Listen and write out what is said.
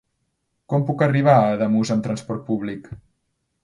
Com puc arribar a Ademús amb transport públic?